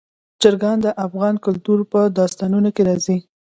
چرګان د افغان کلتور په داستانونو کې راځي.